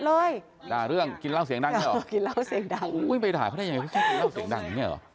แล้วเขามีปัญหาอะไรกัน